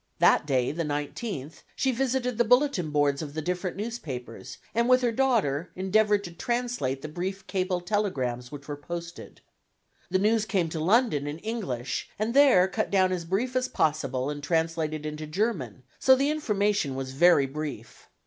That day, the 19th, she visited the bulletin boards of the different newspapers, and with her daughter endeavored to translate the brief cable telegrams which were posted. The news came to London in English, and there cut down as brief as possible and translated into German, so the information was very brief.